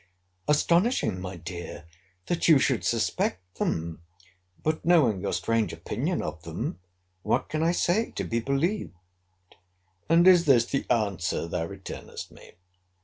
Astonishing, my dear, that you should suspect them!—But, knowing your strange opinion of them, what can I say to be believed? And is this the answer thou returnest me?